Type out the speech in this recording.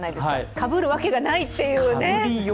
かぶるわけがないっていうね。